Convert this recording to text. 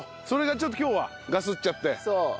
それがちょっと今日はガスっちゃって。